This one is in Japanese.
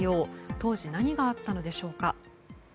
当時、何があったのでしょうか。